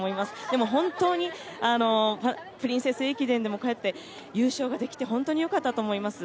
でも、本当にプリンセス駅伝でもこうやって優勝ができて優勝ができて本当によかったと思います。